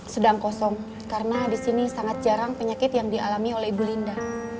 sedang kosong karena di sini sangat jarang penyakit yang dialami oleh ibu linda